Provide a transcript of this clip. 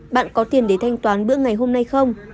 bạn có tiền để thanh toán bữa ngày hôm nay không